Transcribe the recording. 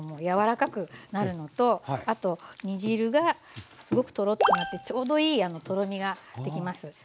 柔らかくなるのとあと煮汁がすごくとろっとなってちょうどいいとろみができます。